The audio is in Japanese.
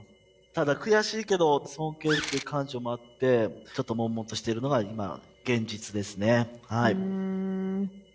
ただ悔しいけど尊敬してる感情もあってちょっともんもんとしてるのが今の現実ですね。